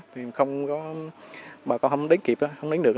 thì bà con không đến kịp không đến được